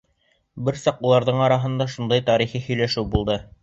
Бер саҡ уларҙың араһында шундай «тарихи» һөйләшеү булды.